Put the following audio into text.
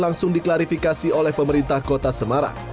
datak seperti ini diklarifikasi oleh pemerintah kota semarang